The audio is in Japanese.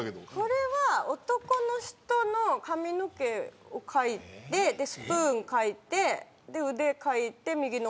これは男の人の髪の毛を描いてスプーン描いて腕描いて右の女の子の顔を描いた。